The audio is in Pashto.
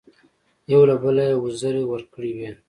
یو له بله یې وزرې ورکړې وې.